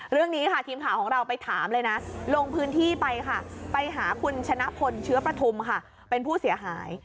เรื่องนี้ค่ะทีมข่าวของเราไปถามเลยนะลงพื้นที่ไปค่ะไปหาคุณชนะพลเชื้อประทุมค่ะเป็นผู้เสียหาย